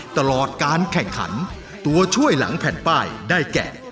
ตลอดการแข่งขันตัวช่วยหลังแผ่นป้ายได้แก่